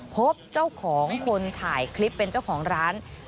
พบเจ้าของคนถ่ายคลิปเป็นเจ้าของร้าน